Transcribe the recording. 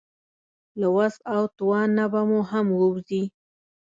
له وس او توان نه به مو هم ووځي.